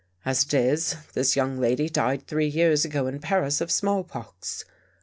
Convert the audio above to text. As it is, this young lady died three years ago in Paris of small pox.